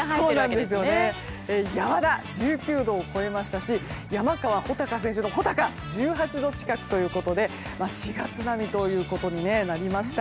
山田、１９度を超えましたし山川穂高選手の穂高は１８度近くということで４月並みということになりました。